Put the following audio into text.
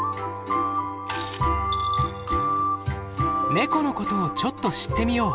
ネコのことをちょっと知ってみよう。